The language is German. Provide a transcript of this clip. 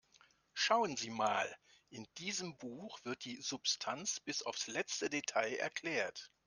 Schauen Sie mal, in diesem Buch wird die Substanz bis aufs letzte Detail erklärt.